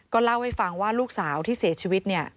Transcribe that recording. เล่าให้ฟังว่าลูกสาวที่เสียชีวิตเนี่ย